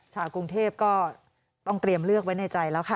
ชาวกรุงเทพก็ต้องเตรียมเลือกไว้ในใจแล้วค่ะ